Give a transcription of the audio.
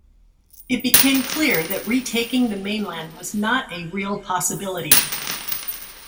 It became clear that retaking the mainland was not a real possibility.